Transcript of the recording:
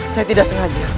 saya tidak sengaja